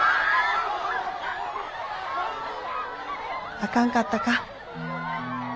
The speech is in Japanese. あかんかったか。